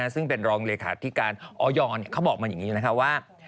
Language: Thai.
ซึ่งเป็นรองเลขาธิการออยเขาบอกมาอย่างนี้นะคะว่า